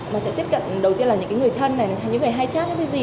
mà sẽ tiếp cận đầu tiên là những người thân này những người hay chat hay gì